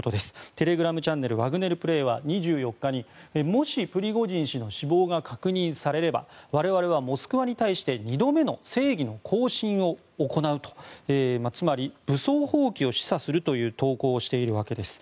テレグラムチャンネルワグネル・プレーは２４日にもしプリゴジン氏の死亡が確認されれば我々はモスクワに対して２度目の正義の行進を行うとつまり武装蜂起を示唆するという投稿をしているわけです。